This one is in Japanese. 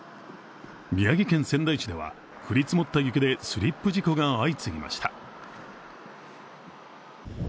宮城県仙台市では降り積もった雪でスリップ事故が相次ぎました。